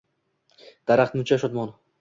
Daraxt buncha shodmon!